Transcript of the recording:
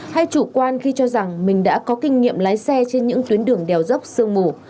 hay chủ quan khi cho rằng mình đã có kinh nghiệm lái xe trên những tuyến đường đèo dốc sương mù